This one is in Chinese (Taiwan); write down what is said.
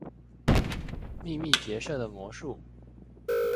秘密結社的魔術